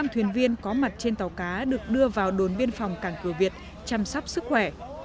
năm thuyền viên có mặt trên tàu cá được đưa vào đồn biên phòng cảng cửa việt chăm sóc sức khỏe